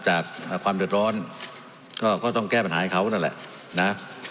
จากความเดือดร้อนก็ต้องแก้ปัญหาให้เขานั่นแหละนะ